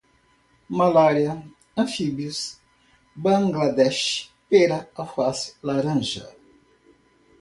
malária, anfíbios, Bangladesh, pera, alface, laranja